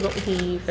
sao lại bẻ ra